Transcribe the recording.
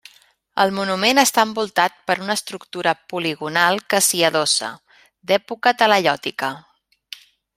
El monument està envoltat per una estructura poligonal que s'hi adossa, d'època talaiòtica.